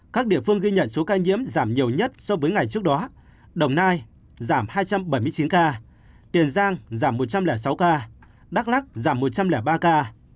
các địa phương ghi nhận số ca nhiễm giảm nhiều nhất so với ngày trước đó đồng nai giảm hai trăm bảy mươi chín ca tiền giang giảm một trăm linh sáu ca đắk lắc giảm một trăm linh ba ca